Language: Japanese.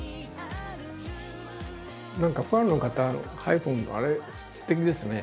何かファンの方のハイフンのあれすてきですね。